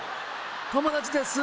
友達です。